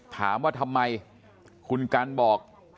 ถามว่าทำไมคุณกันบอก